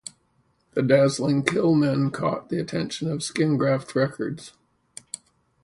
The Dazzling Killmen caught the attention of Skin Graft Records.